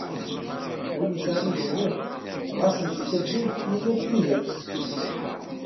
Win yesɛan idrimen. ɣas yeskadeb. yenna-d tidet.